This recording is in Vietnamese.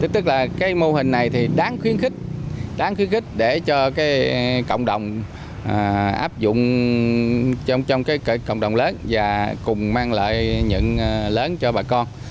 tức là cái mô hình này thì đáng khuyến khích đáng khuyến khích để cho cái cộng đồng áp dụng trong cái cộng đồng lớn và cùng mang lại nhận lớn cho bà con